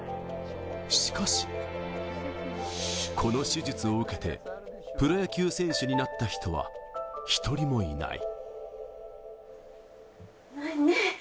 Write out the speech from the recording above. しかし、この手術を受けてプロ野球選手になった人は１人もいない。